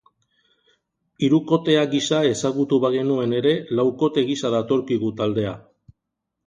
Hirukotea gisa ezagutu bagenuen ere, laukote gisa datorkigu taldea.